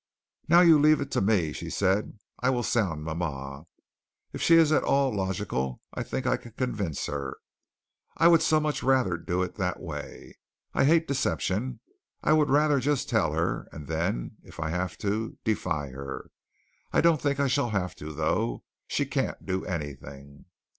"Now you leave it to me," she said. "I will sound mama. If she is at all logical, I think I can convince her. I would so much rather do it that way. I hate deception. I would rather just tell her, and then, if I have to, defy her. I don't think I shall have to, though. She can't do anything."